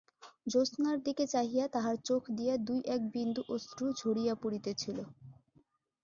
জ্যোৎস্নার দিকে চাহিয়া তাহার চোখ দিয়া দুই এক বিন্দু অশ্রু ঝরিয়া পড়িতেছিল।